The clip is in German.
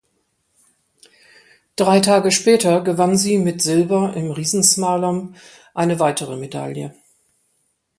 Drei Tage später gewann sie mit Silber im Riesenslalom eine weitere Medaille.